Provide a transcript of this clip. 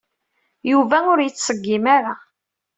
Yuba ur yettṣeggim ara.